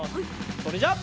それじゃあ。